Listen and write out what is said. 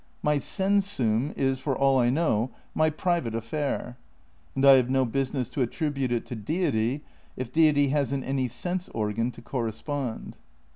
My sensum is for all I know my private affair, and I have no business to attribute it to Deity if Deity hasn't any sense organ to correspond.